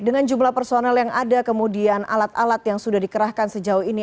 dengan jumlah personel yang ada kemudian alat alat yang sudah dikerahkan sejauh ini